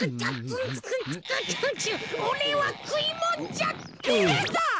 おれはくいもんじゃねえぞ！